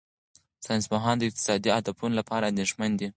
ساینسپوهان د اقتصادي اهدافو لپاره اندېښمن دي.